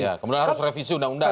ya kemudian harus revisi undang undang